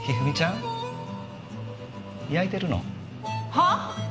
はあ？